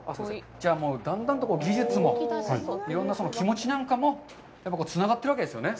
じゃあだんだんと、技術も、いろんな気持ちなんかもつながっているわけですよね。